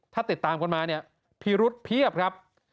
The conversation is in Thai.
ถ้าติดตามกันมาเนี่ยพิรุษเพียบครับ